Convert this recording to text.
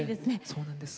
そうなんです。